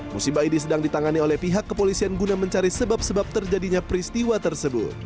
musibah ini sedang ditangani oleh pihak kepolisian guna mencari sebab sebab terjadinya peristiwa tersebut